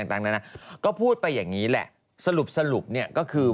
ต่างนานาก็พูดไปอย่างนี้แหละสรุปสรุปเนี่ยก็คือ